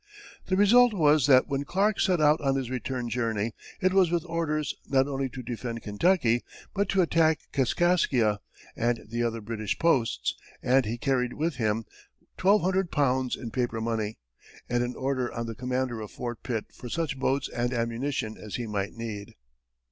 The result was that when Clark set out on his return journey, it was with orders not only to defend Kentucky, but to attack Kaskaskia and the other British posts, and he carried with him £1,200 in paper money, and an order on the commander of Fort Pitt for such boats and ammunition as he might need.